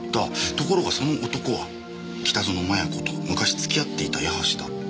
ところがその男は北薗摩耶子と昔付き合っていた矢橋だった。